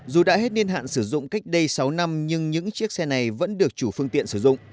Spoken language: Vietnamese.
dù đã hết niên hạn sử dụng cách đây sáu năm nhưng những chiếc xe này vẫn được chủ phương tiện sử dụng